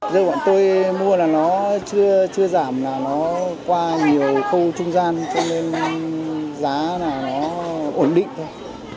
dê bọn tôi mua là nó chưa giảm là nó qua nhiều khâu trung gian cho nên giá là nó ổn định thôi